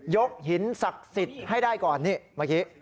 หินศักดิ์สิทธิ์ให้ได้ก่อนนี่เมื่อกี้